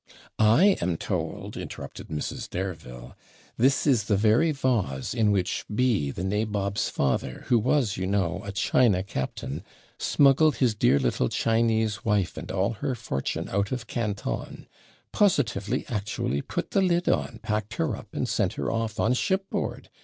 'I am told,' interrupted Mrs. Dareville, 'this is the very vase in which B , the nabob's father, who was, you know, a China captain, smuggled his dear little Chinese wife and all her fortune out of Canton positively, actually put the lid on, packed her up, and sent her off on shipboard!